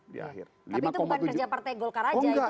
tapi itu bukan kerja partai golkar aja